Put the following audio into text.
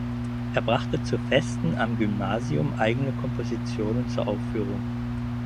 Er brachte zu Festen am Gymnasium eigene Kompositionen zur Aufführung.